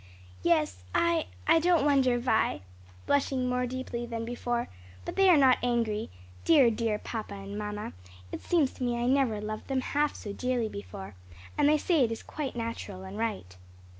"Yes, I I don't wonder, Vi," blushing more deeply than before, "but they are not angry dear, dear mamma and papa it seems to me I never loved them half so dearly before and they say it is quite natural and right."